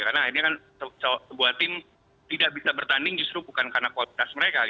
karena ini kan sebuah tim tidak bisa bertanding justru bukan karena kualitas mereka